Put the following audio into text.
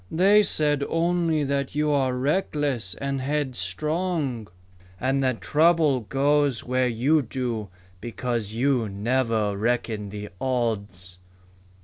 "They said only that you are reckless and headstrong, and that trouble goes where you do because you never reckon the odds."